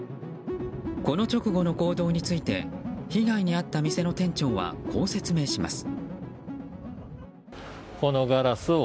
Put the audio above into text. この直後の行動について被害に遭った店の店長はこう説明します。